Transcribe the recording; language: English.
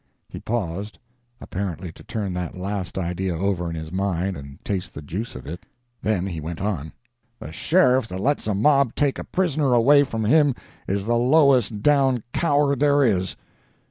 He paused apparently to turn that last idea over in his mind and taste the juice of it then he went on: "The sheriff that lets a mob take a prisoner away from him is the lowest down coward there is.